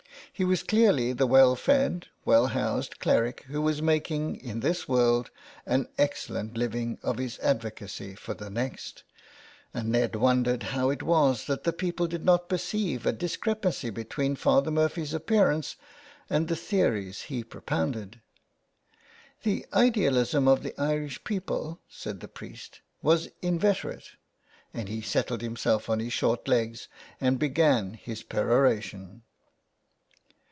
He was clearly the well fed, well housed cleric who was making, in this world, an excellent living of his advocacy for the next, and Ned wondered how it was that the people did not perceive a dis crepancy between Father Murphy's appearance and the theories he propounded. '' The idealism of the Irish people," said the priest, '' was inveterate," and he settled himself on his short legs and began his perora tion.